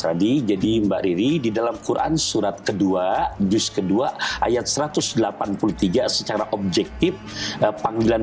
tadi jadi mbak riri di dalam quran surat kedua jus kedua ayat satu ratus delapan puluh tiga secara objektif panggilan